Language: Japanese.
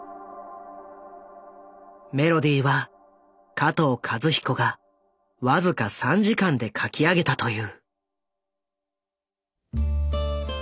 メロディーは加藤和彦がわずか３時間で書き上げたという。